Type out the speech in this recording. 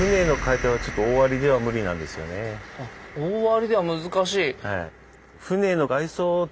あっ大割では難しい。